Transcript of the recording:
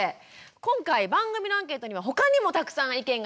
今回番組のアンケートには他にもたくさん意見が寄せられました。